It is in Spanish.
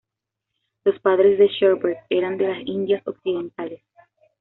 Los padres de Shepherd eran de las Indias occidentales.